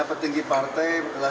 petinggi partai sedang berkata